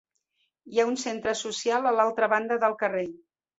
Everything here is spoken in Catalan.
Hi ha un centre social a l'altra banda del carrer.